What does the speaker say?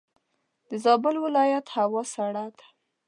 دزابل ولایت هوا سړه ده.